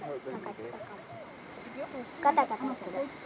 ガタガタする。